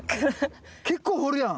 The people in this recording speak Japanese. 結構掘るやん！